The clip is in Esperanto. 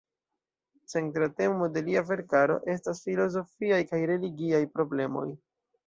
Centra temo en lia verkaro estas filozofiaj kaj religiaj problemoj.